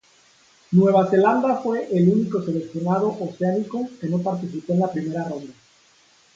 Nueva Zelanda fue el único seleccionado oceánico que no participó en la primera ronda.